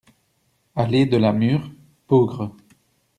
Allée de la Mûre, Peaugres